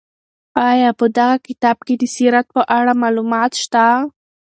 آیا په دغه کتاب کې د سیرت په اړه معلومات شته؟